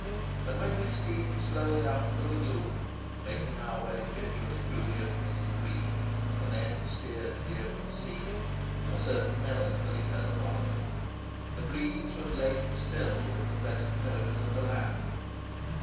And when we steamed slowly out of the lagoon, making our way gingerly through the opening in the reef, and then steered for the open sea, a certain melancholy fell upon me. The breeze was laden still with the pleasant odours of the land.